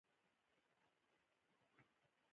مېز د لوستلو علاقه زیاته وي.